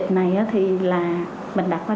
thì bây giờ mình nhờ họ